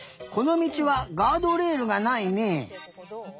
このみちはガードレールがないね。